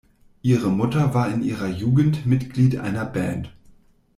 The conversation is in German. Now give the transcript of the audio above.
Ihre Mutter war in ihrer Jugend Mitglied einer Band.